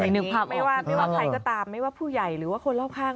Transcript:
ไม่ว่าใครก็ตามไม่ว่าผู้ใหญ่หรือว่าคนรอบข้าง